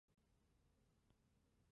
经过的铁路有拉滨铁路。